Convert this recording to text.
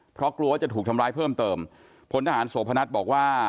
เพราะกลัวว่าจะถูกทำร้ายเพิ่มเติมพลทหารโสพนัทบอกว่า